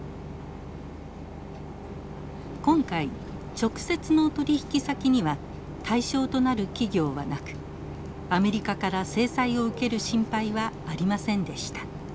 今回直接の取引先には対象となる企業はなくアメリカから制裁を受ける心配はありませんでした。